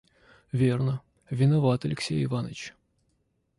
Верно, виноват Алексей Иваныч».